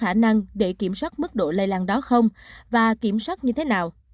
chúng ta có đủ khả năng để kiểm soát mức độ lây lan đó không và kiểm soát như thế nào